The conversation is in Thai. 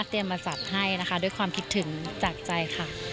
มาจัดให้นะคะด้วยความคิดถึงจากใจค่ะ